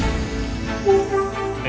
え？